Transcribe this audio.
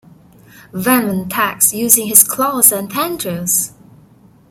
Venom attacks using his claws and tendrils.